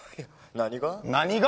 何が？